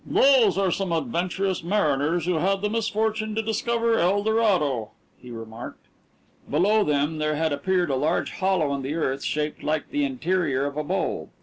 "These are some adventurous mariners who had the misfortune to discover El Dorado," he remarked. Below them there had appeared a large hollow in the earth shaped like the interior of a bowl.